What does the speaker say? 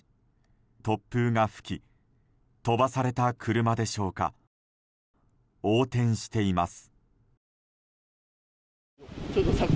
突風が吹き飛ばされた車でしょうか横転しています。